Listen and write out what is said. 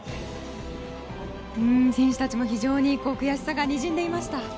選手たちも非常に悔しさがにじんでいました。